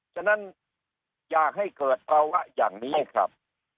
ฉะนั้นอยากให้เกิดภาวะอย่างนี้ครับ